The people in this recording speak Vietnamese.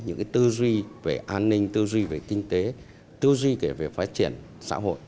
những tư duy về an ninh tư duy về kinh tế tư duy kể về phát triển xã hội